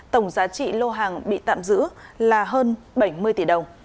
tổng giá trị lô hàng bị tạm giữ là hơn bảy mươi tỷ đồng